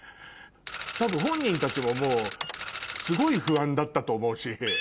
多分本人たちももうすごい不安だったと思うし。